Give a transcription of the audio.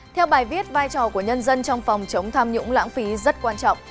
theo bài viết vai trò của nhân dân trong phòng chống tham nhũng lãng phí rất quan trọng